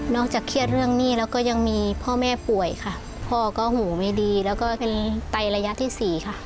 เครียดเรื่องหนี้แล้วก็ยังมีพ่อแม่ป่วยค่ะพ่อก็หูไม่ดีแล้วก็เป็นไตระยะที่สี่ค่ะ